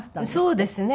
そうですね。